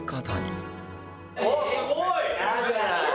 あっすごい！